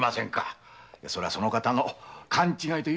それはその方の勘違いですよ。